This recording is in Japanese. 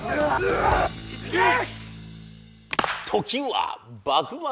時は幕末。